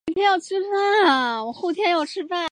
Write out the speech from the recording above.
王打卦乡是中国山东省德州市平原县下辖的一个乡。